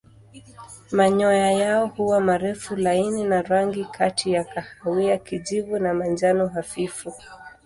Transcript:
Manyoya yao huwa marefu laini na rangi kati ya kahawia kijivu na manjano hafifu.